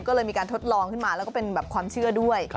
ก็เลยมีการทดลองขึ้นมาแล้วก็เป็นแบบความเชื่อด้วย